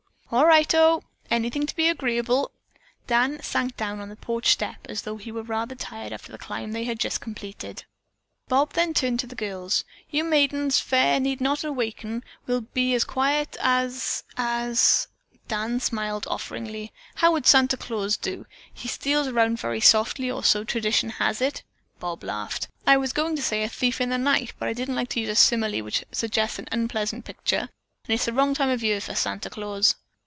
"All righto! Anything to be agreeable." Dan sank down on the porch step as though he were rather tired after the climb they had just completed. Bob then turned to the girls. "You maidens fair need not awaken. We'll be as quiet as as " Dan smilingly offered: "How would Santa Claus do? He steals around very softly, or so tradition has it." Bob laughed. "I was going to say as a thief in the night, but I don't like to use a simile which suggests an unpleasant picture, and it's the wrong time of the year for Santa Claus."